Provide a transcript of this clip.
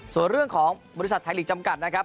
ส่วนเรื่องของบริษัทไทยลีกจำกัดนะครับ